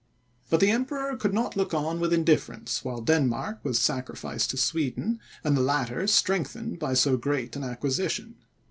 But the Emperor could not look on with indifference, while Denmark was sacrificed to Sweden, and the latter strengthened by so great an acquisition.